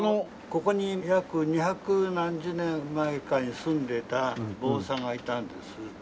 ここに約二百何十年前かに住んでた坊さんがいたんです。